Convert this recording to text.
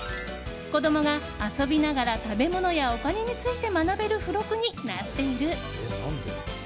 子供が遊びながら食べ物やお金について学べる付録になっている。